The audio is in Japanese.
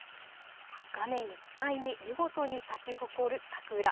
画面いっぱいに見事に咲き誇る桜。